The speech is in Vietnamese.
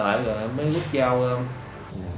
rồi em mới bút dao